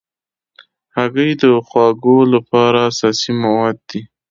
هګۍ د خواږو لپاره اساسي مواد دي.